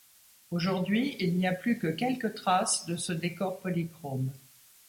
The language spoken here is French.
Aujourd'hui, il n'y a plus que quelques traces de ce décor polychrome.